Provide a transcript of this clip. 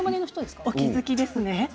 お気付きですね